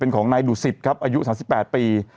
เป็นของนายดูศิษย์ครับอายุ๓๘ปี